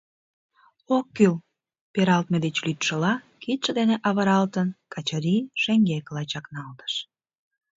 — Ок кӱл! — пералтме деч лӱдшыла кидше дене авыралтын, Качырий шеҥгекыла чакналтыш.